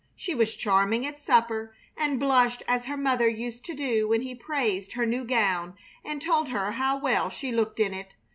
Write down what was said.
She was charming at supper, and blushed as her mother used to do when he praised her new gown and told her how well she looked in it.